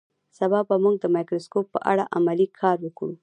سبا به موږ د مایکروسکوپ په اړه عملي کار وکړو